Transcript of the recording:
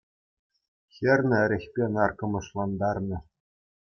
Хӗрне эрехпе наркӑмӑшлантарнӑ